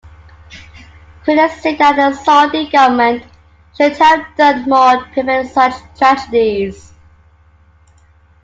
Critics say that the Saudi government should have done more to prevent such tragedies.